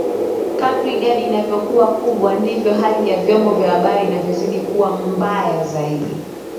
Kadri idadi inavyokuwa kubwa ndivyo hali ya vyombo vya habari inavyozidi kuwa mbaya zaidi